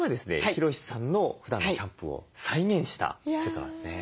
ヒロシさんのふだんのキャンプを再現したセットなんですね。